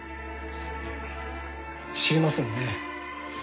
知りませんね。